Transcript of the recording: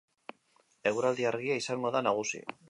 Eguraldi argia izango da nagusi.